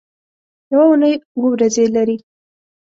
یوه اونۍ اووه ورځې لري